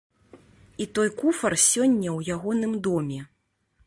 І той куфар сёння ў ягоным доме.